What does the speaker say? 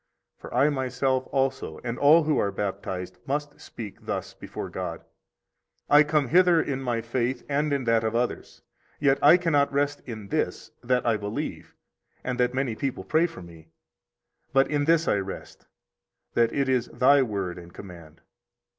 For I myself also, and all who are baptized, must speak thus before God: I come hither in my faith and in that of others, yet I cannot rest in this, that I believe, and that many people pray for me; but in this I rest, that it is Thy Word and command.